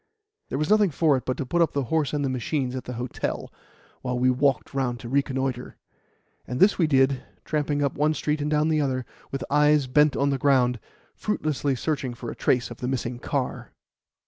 There was nothing for it but to put up the horse and the machines at the hotel, while we walked round to reconnoitre; and this we did, tramping up one street and down another, with eyes bent on the ground, fruitlessly searching for a trace of the missing car.